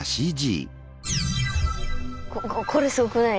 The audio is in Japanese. これすごくない？